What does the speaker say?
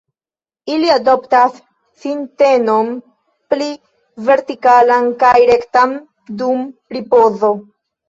Ili adoptas sintenon pli vertikalan kaj rektan dum ripozo.